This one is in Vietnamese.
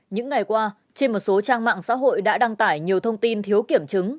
những ngày qua trên một số trang mạng xã hội đã đăng tải nhiều thông tin thiếu kiểm chứng